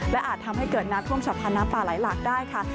และอาจทำให้เกิดน้ำท่วมฉับพันธ์น้ำป่าไหลหลากได้ค่ะ